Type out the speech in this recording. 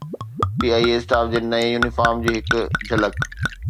P I A staff جي نئين uniform جي هڪ جھلڪ